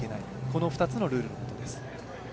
この２つのルールのことです。